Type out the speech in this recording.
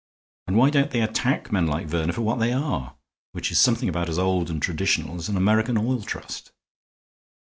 And why don't they attack men like Verner for what they are, which is something about as old and traditional as an American oil trust?"